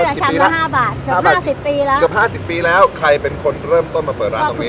เกือบ๕๐ปีแล้วใครเป็นคนเริ่มต้นมาเปิดร้านตรงนี้